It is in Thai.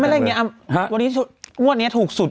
ไม่ได้แหละอย่างนี้วันนี้ถูกสุด